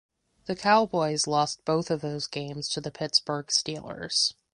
The Cowboys lost both of those games to the Pittsburgh Steelers.